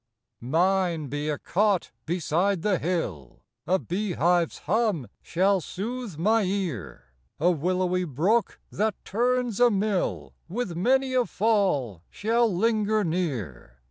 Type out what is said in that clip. Mine be a cot beside the hill, A bee hive's hum shall sooth my ear; A willowy brook, that turns a mill, With many a fall shall linger near.